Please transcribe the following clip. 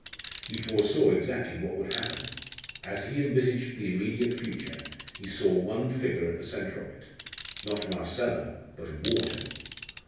He foresaw exactly what would happen. As he envisaged the immediate future, he saw one figure as the centre of it not Marcella, but Wharton!